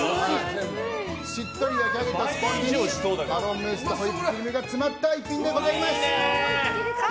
しっとりと焼き上げたスポンジにマロンムースとホイップクリームが詰まった一品です。